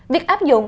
việc áp dụng